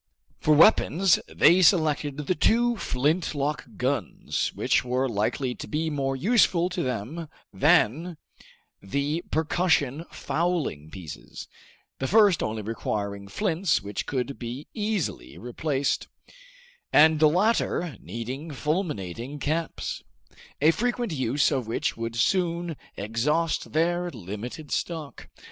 For weapons they selected the two flint lock guns, which were likely to be more useful to them than the percussion fowling pieces, the first only requiring flints which could be easily replaced, and the latter needing fulminating caps, a frequent use of which would soon exhaust their limited stock.